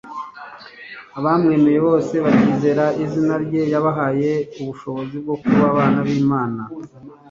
"Abamwemeye bose bakizera izina rye yabahaye ubushobozi bwo kuba abana b'Imana.